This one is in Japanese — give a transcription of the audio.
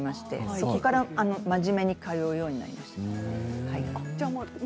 そこから真面目に通うようになりました。